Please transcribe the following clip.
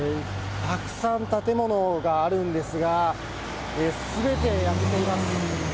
たくさん建物があるんですが、すべて焼けています。